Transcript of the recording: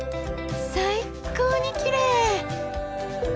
最高にきれい！